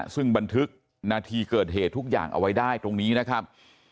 ซึ่งบันทึกนาทีเกิดเหตุทุกอย่างเอาไว้ได้ตรงนี้นะครับ